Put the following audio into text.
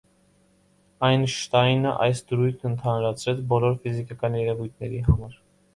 Այնշտայնը այս դրույթն ընդհանրացրեց բոլոր ֆիզիկական երևույթների համար։